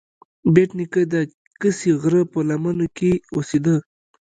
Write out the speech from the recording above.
بېټ نیکه د کسي غره په لمنو کې اوسیده.